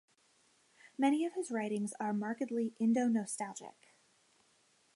Many of his writings are markedly "Indo-nostalgic".